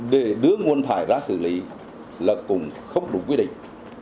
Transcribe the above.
để đưa nguồn thải ra xử lý là cũng không đủ quy định